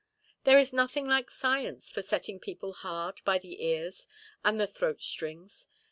There is nothing like science for setting people hard by the ears and the throat–strings.